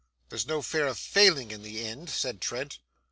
'There's no fear of failing, in the end?' said Trent.